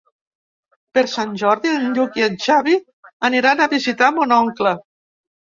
Per Sant Jordi en Lluc i en Xavi aniran a visitar mon oncle.